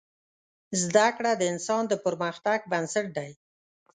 زده کړه د انسان د پرمختګ بنسټ دی.